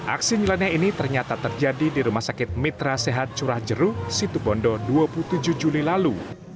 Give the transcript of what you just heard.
aksi nyeleneh ini ternyata terjadi di rumah sakit mitra sehat curah jeru situbondo dua puluh tujuh juli lalu